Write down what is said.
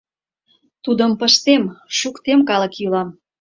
Тудым пыштем, шуктем калык йӱлам.